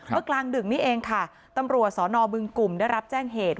กลางดึกนี้เองค่ะตำรวจสนบึงกลุ่มได้รับแจ้งเหตุ